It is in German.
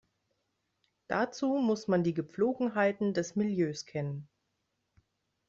Dazu muss man die Gepflogenheiten des Milieus kennen.